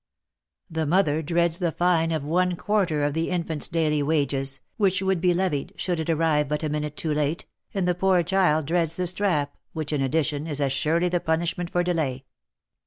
The mother dreads the fine of one quarter of the infant's daily wages, which would be levied, should it arrive but a minute too late, and the poor child dreads the strap, which, in addition, is as surely the punishment for delay.